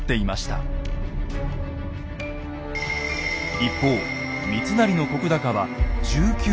一方三成の石高は１９万石。